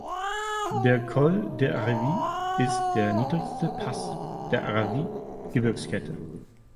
Der Col des Aravis ist der niedrigste Pass der Aravis Gebirgskette.